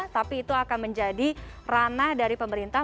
tapi itu akan menjadi ranah dari pemerintah